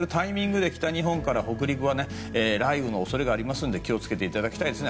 この寒冷前線が通過するタイミングで北日本から北陸は雷雨の恐れがありますので気をつけていただきたいです。